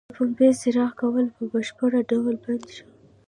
د پنبې څرخ کول په بشپړه ډول بند شو.